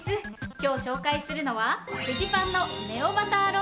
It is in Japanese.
今日紹介するのはフジパンのネオバターロールシリーズ。